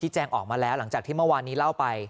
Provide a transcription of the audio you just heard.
แจ้งออกมาแล้วหลังจากที่เมื่อวานนี้เล่าไป